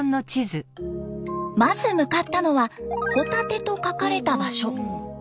まず向かったのは「ホタテ」と書かれた場所。